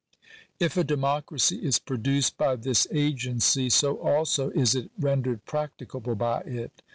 If a democracy is produced by this agency, so also is it ren dered practicable by it.